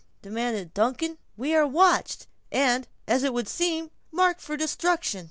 demanded Duncan, "we are watched, and, as it would seem, marked for destruction."